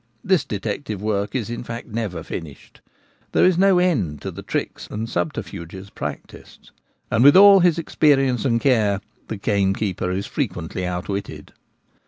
This detective work is, in fact, never finished. There is no end to the tricks and subterfuges practised, and 1 74 The Gamekeeper at Home. with all his experience and care the gamekeeper is frequently outwitted.